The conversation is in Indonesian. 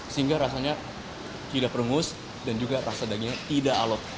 sehingga rasanya tidak perengus dan juga rasa dagingnya tidak alot